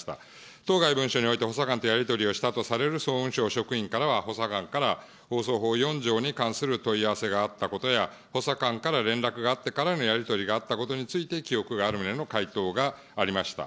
当該文書において補佐官とやり取りをしたとされる総務省職員からは、補佐官から放送法４条に関する問い合わせがあったことや、補佐官から連絡があってからのやり取りがあったことについて記憶がある旨の回答がありました。